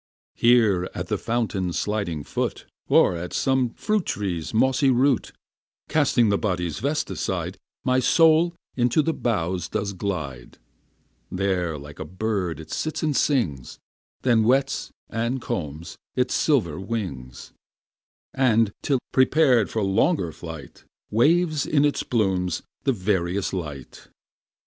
Here at the fountain's sliding foot, Or at some fruit tree's mossy root, Casting the body's vest aside, My soul into the boughs does glide; There like a bird it sits and sings, Then whets, and combs its silver wings; And, till prepar'd for longer flight, Waves in its plumes the various light.